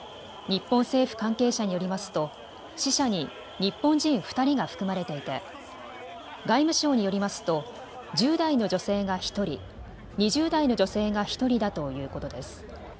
日本政府関係者によりますと死者に日本人２人が含まれていて外務省によりますと１０代の女性が１人、２０代の女性が１人だということです。